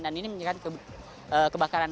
dan ini menyebabkan kebakaran